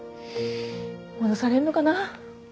戻されるのかな？